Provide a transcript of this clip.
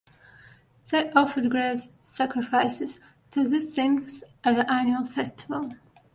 They offered great sacrifices to these things at an annual festival.